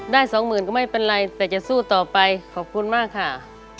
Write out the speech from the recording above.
สองหมื่นก็ไม่เป็นไรแต่จะสู้ต่อไปขอบคุณมากค่ะ